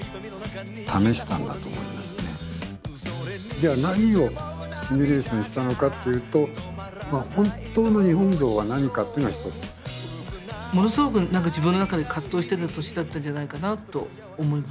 じゃあ何をシミュレーションしたのかっていうとものすごく何か自分の中で葛藤してた年だったんじゃないかなと思います。